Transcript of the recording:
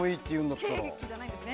ケーキじゃないんですね。